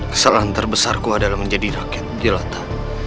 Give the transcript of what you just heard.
kesalahan terbesarku adalah menjadi rakyat jelata